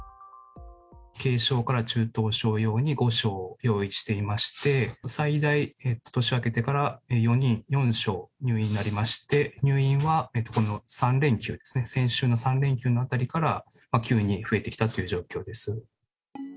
軽症から中等症用に５床用意していまして、最大、年明けてから、４人、４床入院になりまして、入院は、この３連休ですね、先週の３連休のあたりから急に増えてきたという状況です。